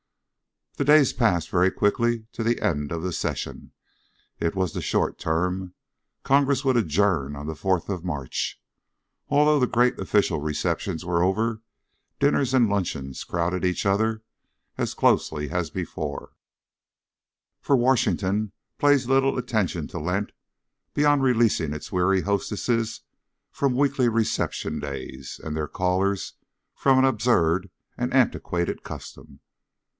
The days passed very quickly to the end of the session. It was the short term; Congress would adjourn on the fourth of March. Although the great official receptions were over, dinners and luncheons crowded each other as closely as before, for Washington pays little attention to Lent beyond releasing its weary hostesses from weekly reception days, and their callers from an absurd and antiquated custom.